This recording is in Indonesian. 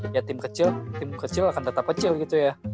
ya tim kecil tim kecil akan tetap kecil gitu ya